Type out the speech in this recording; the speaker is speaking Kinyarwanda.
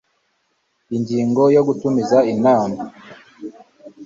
ingingo ya gutumiza inama